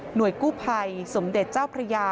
กู้ภัยสมเด็จเจ้าพระยา